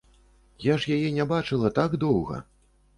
Я ж яе не бачыла так доўга!